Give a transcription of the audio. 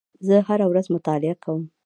زه هره ورځ مطالعه کوم.